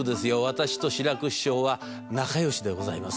私と志らく師匠は仲良しでございます。